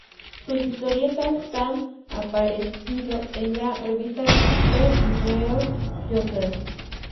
Sus historietas han aparecido en la revista "The New Yorker.